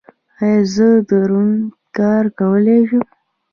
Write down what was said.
ایا زه دروند کار کولی شم؟